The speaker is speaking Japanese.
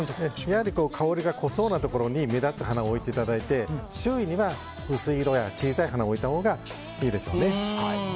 やはり香りが濃そうなところに目立つ花を置いていただいて周囲には薄い色や小さい花を置いたほうがいいでしょうね。